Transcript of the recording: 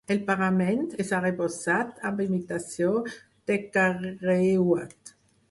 El parament és arrebossat, amb imitació de carreuat.